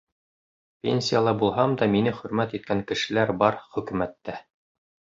Пенсияла булһам да мине хөрмәт иткән кешеләр бар хөкүмәттә...